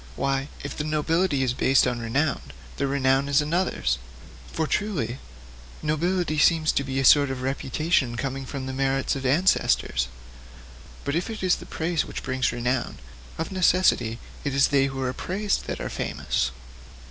Why, if the nobility is based on renown, the renown is another's! For, truly, nobility seems to be a sort of reputation coming from the merits of ancestors. But if it is the praise which brings renown, of necessity it is they who are praised that are famous.